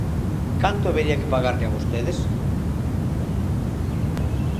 Canto habería que pagarlle a vostedes?